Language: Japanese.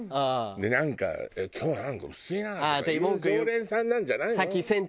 でなんか「今日はなんか薄いな」とか言う常連さんなんじゃないの？